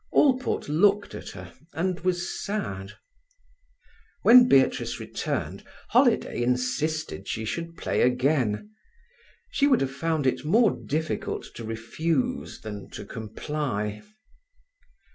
Allport looked at her, and was sad. When Beatrice returned, Holiday insisted she should play again. She would have found it more difficult to refuse than to comply.